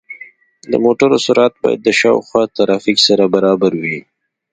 د موټرو سرعت باید د شاوخوا ترافیک سره برابر وي.